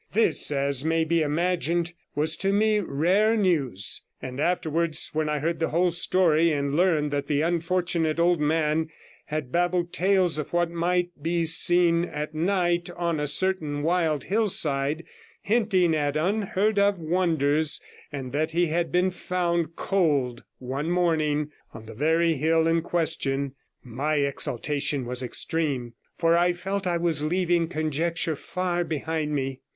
This, as may be imagined, was to me rare news; and afterwards, when I heard the whole story, and learned that the unfortunate old man had babbled tales of what might be seen at night on a certain wild hillside, hinting at unheard of wonders, and that he had been found cold one morning on the very hill in question, my exultation was extreme, for I felt I was leaving conjecture far behind me.